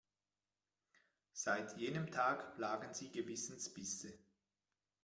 Seit jenem Tag plagen sie Gewissensbisse.